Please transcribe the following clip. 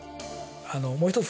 もう一つ